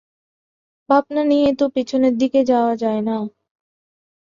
ভাবনা নিয়ে তো পিছনের দিকে যাওয়া যায় না।